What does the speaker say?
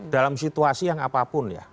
dalam situasi yang apapun ya